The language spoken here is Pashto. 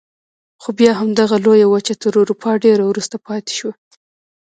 خو بیا هم دغه لویه وچه تر اروپا ډېره وروسته پاتې شوه.